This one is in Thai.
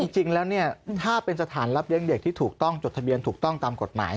จริงแล้วเนี่ยถ้าเป็นสถานรับเลี้ยงเด็กที่ถูกต้องจดทะเบียนถูกต้องตามกฎหมาย